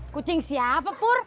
kucing siapa pur